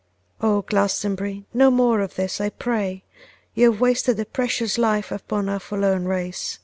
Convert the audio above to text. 'O! Glastonbury, no more of this I pray; you have wasted a precious life upon our forlorn race.